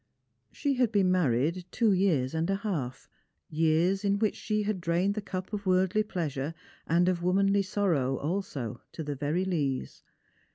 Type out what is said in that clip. She had been married two years and a half; years in which she had drained the cup of worldly pleasure, and of womanly sorrow also, to the very lees.